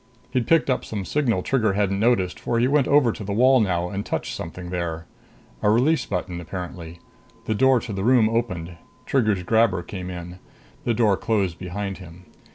He'd picked up some signal Trigger hadn't noticed, for he went over to the wall now and touched something there. A release button apparently. The door to the room opened. Trigger's grabber came in. The door closed behind him.